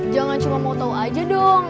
jangan cuma mau tahu aja dong